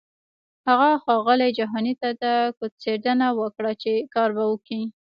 هغه ښاغلي جهاني ته کوتڅنډنه وکړه چې کار به کوي.